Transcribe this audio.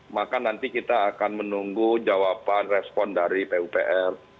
maka nanti kita akan menunggu jawaban respon dari pupr